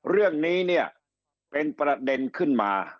เรื่องนี้เนี่ยเป็นประเด็นขึ้นมา